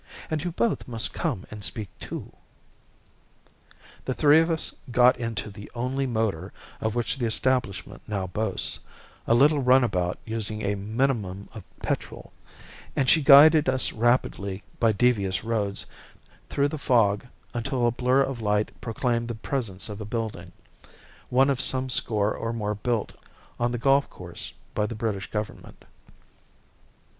"And you both must come and speak too." The three of us got into the only motor of which the establishment now boasts, a little runabout using a minimum of "petrol," and she guided us rapidly by devious roads through the fog until a blur of light proclaimed the presence of a building, one of some score or more built on the golf course by the British Government.